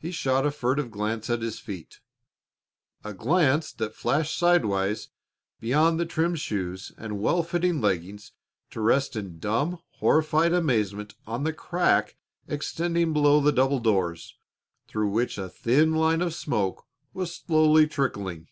He shot a furtive glance at his feet a glance that flashed sidewise beyond the trim shoes and well fitting leggings to rest in dumb, horrified amazement on the crack extending below the double doors, through which a thin line of smoke was slowly trickling.